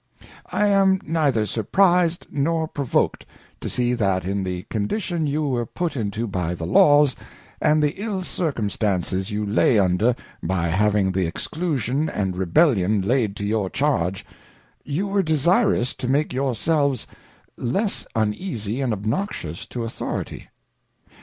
I am neither surprized nor provoked, to see that in the Condition you were put into by the Laws, and the ill Circum stances you lay under by having the Exclusion and Rebellion laid to your Charge, you were desirous to make your selves less uneasy and obnoxious to Authority.